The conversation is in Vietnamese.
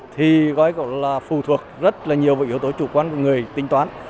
thì gọi gọi là phù thuộc rất nhiều vào yếu tố chủ quan của người tính toán